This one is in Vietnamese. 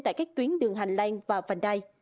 tại các tuyến đường hành lan và vành đai